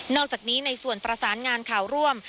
นอกจากนี้ในส่วนฝักงานข่าวร่วม